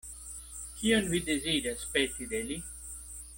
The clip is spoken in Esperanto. Kion vi deziras peti de li?